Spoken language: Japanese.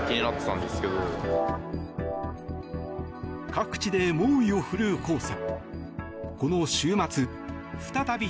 各地で猛威を振るう黄砂。